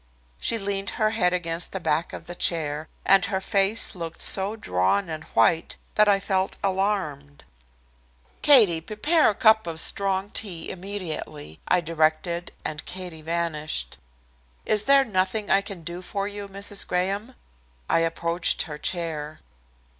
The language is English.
She leaned her head against the back of the chair, and her face looked so drawn and white that I felt alarmed. "Katie, prepare a cup of strong tea immediately," I directed, and Katie vanished. "Is there nothing I can do for you, Mrs. Graham?" I approached her chair.